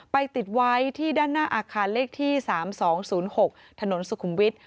ติดไว้ที่ด้านหน้าอาคารเลขที่๓๒๐๖ถนนสุขุมวิทย์